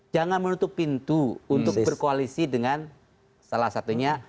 jangan menutup pintu untuk berkoalisi dengan salah satunya